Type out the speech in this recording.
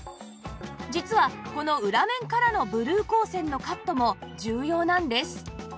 実はこの裏面からのブルー光線のカットも重要なんです